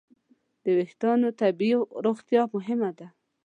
د وېښتیانو طبیعي روغتیا مهمه ده.